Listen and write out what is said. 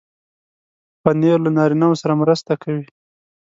پنېر له نارینو سره مرسته کوي.